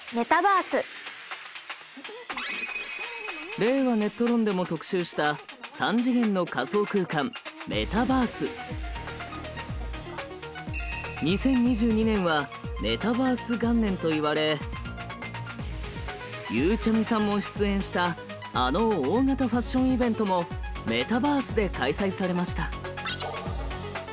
「令和ネット論」でも特集した２０２２年はメタバース元年といわれゆうちゃみさんも出演したあの大型ファッションイベントもメタバースで開催されました。